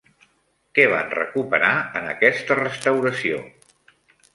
Què van recuperar en aquesta restauració?